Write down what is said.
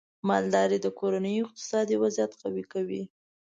مالدارۍ د کورنیو اقتصادي وضعیت قوي کوي.